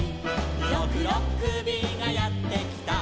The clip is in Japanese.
「ろくろっくびがやってきた」